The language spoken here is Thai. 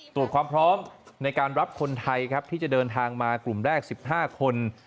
ตรวจความพร้อมในการรับคนไทยครับที่จะเดินทางมากลุ่มแรก๑๕คน